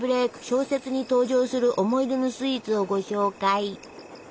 小説に登場する思い出のスイーツをご紹介。